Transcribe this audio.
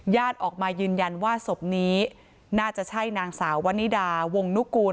ออกมายืนยันว่าศพนี้น่าจะใช่นางสาววันนิดาวงนุกูล